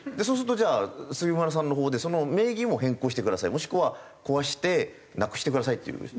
そうするとじゃあ杉村さんの方でその名義も変更してくださいもしくは壊してなくしてくださいっていう。